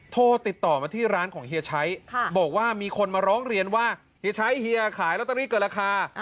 โทรติดต่อมาที่ร้านของเฮียชัยบอกว่ามีคนมาร้องเรียนว่าเฮียชัยเฮียขายลอตเตอรี่เกินราคา